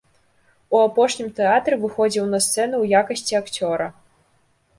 У апошнім тэатры выходзіў на сцэну ў якасці акцёра.